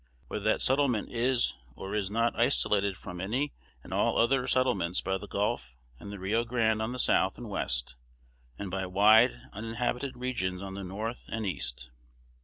Whether that settlement is or is not isolated from any and all other settlements by the Gulf and the Rio Grande on the south and west, and by wide, uninhabited regions on the north and east.